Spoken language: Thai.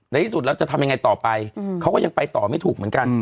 ที่สุดแล้วจะทำยังไงต่อไปเขาก็ยังไปต่อไม่ถูกเหมือนกัน